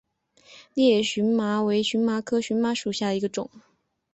裂叶荨麻为荨麻科荨麻属下的一个种。